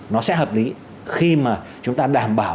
nó sẽ hợp lý khi mà chúng ta đảm bảo